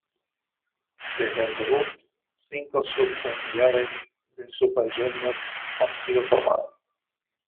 Desde el debut, cinco sub-unidades de Super Junior han sido formadas.